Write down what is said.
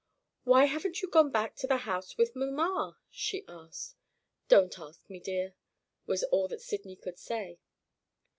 "Why haven't you gone back to the house with mamma?" she asked. "Don't ask me, dear," was all that Sydney could say.